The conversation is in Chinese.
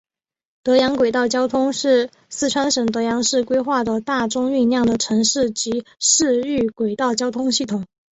德阳轨道交通是四川省德阳市规划的大中运量的城市及市域轨道交通系统。